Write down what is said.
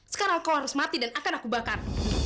sekarang kau harus mati dan akan aku bakar